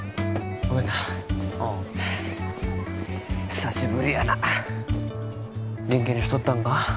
久しぶりやな元気にしとったんか？